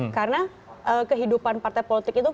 karena kehidupan partai politik itu